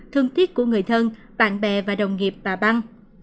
thương tiếc của người thân bạn bè và đồng nghiệp tà băng